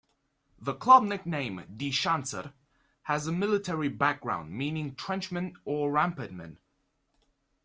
The club nickname "Die Schanzer" has a military background, meaning trenchmen or rampartmen.